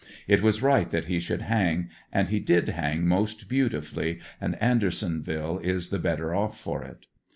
It was right that he should ^xang, and he did hang most beautifully and Andersonville is the better off for it.